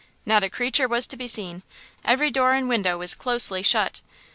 Not a creature was to be seen; every door and window was closely shut.